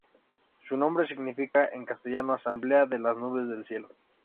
Su nombre significa en castellano "Asamblea de las nubes del cielo".